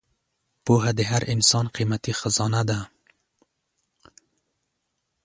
پوهه د هر انسان قیمتي خزانه ده.